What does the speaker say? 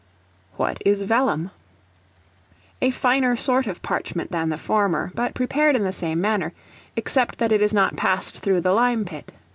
What is Vellum? A finer sort of parchment than the former, but prepared in the same manner, except that it is not passed through the lime pit.